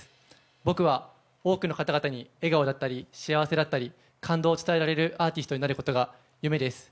僕は多くの方々に笑顔だったり幸せだったり感動を伝えられるアーティストになることが夢です。